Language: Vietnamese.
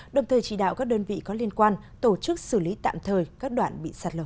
đồng thời chỉ đạo các đơn vị có liên quan tổ chức xử lý tạm thời các đoạn bị sạt lở